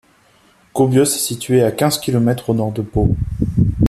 Caubios est situé à quinze kilomètres au nord de Pau.